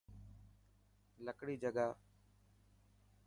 لڪڙي جگاهه.